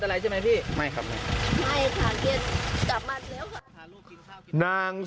ตามหาเลยนะพี่